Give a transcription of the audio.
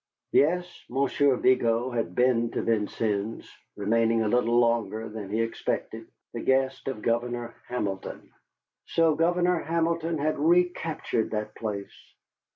Yes, Monsieur Vigo had been to Vincennes, remaining a little longer than he expected, the guest of Governor Hamilton. So Governor Hamilton had recaptured that place!